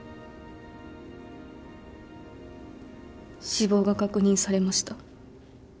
死亡が確認されました。